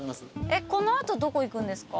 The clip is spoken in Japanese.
この後どこ行くんですか？